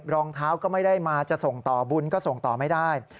รองเท้าก็ไม่ได้มาจะส่งต่อบุญก็ส่งต่อไม่ได้